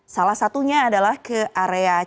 salah satunya adalah ke area cilaku ini